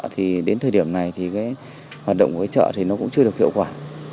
thì đến thời điểm này thì hoạt động của chợ cũng chưa được hiệu quả